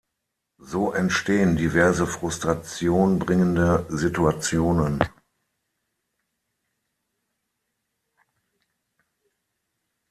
So entstehen diverse Frustration bringende Situationen.